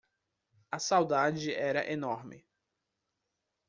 A saudade era enorme